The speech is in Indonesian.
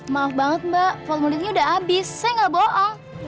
maaf banget mbak formulirnya udah abis saya gak bohong